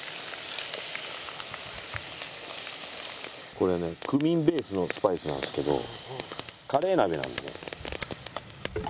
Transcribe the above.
これねクミンベースのスパイスなんですけどカレー鍋なんでね。